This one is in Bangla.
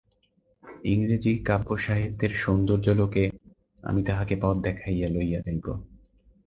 ইংরাজি কাব্যসাহিত্যের সৌন্দর্যলোকে আমি তাহাকে পথ দেখাইয়া লইয়া যাইব।